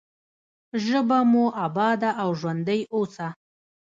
ژبه مو اباده او ژوندۍ اوسه.